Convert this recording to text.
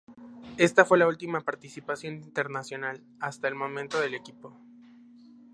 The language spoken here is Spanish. Esta fue la última participación internacional, hasta el momento, del equipo.